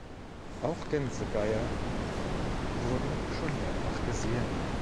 Auch Gänsegeier wurden schon mehrfach gesehen.